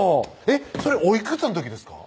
それお幾つの時ですか？